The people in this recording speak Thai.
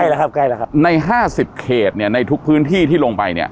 ใช่แล้วครับใกล้แล้วครับในห้าสิบเขตเนี่ยในทุกพื้นที่ที่ลงไปเนี่ย